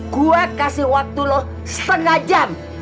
gue kasih waktu loh setengah jam